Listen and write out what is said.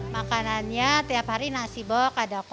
makanannya tiap hari nasi bok ada kos